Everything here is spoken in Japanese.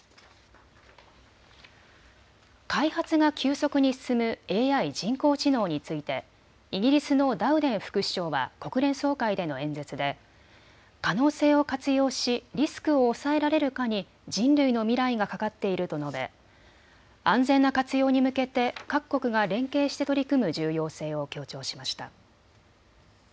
開発が急速に進むＡＩ・人工知能についてイギリスのダウデン副首相は国連総会での演説で可能性を活用しリスクを抑えられるかに人類の未来がかかっていると述べ安全な活用に向けて各国が連携して取り組む重要性を強調しました。